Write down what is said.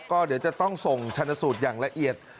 ก็เดี๋ยวจะต้องส่งชนสูตรอย่างละเอียด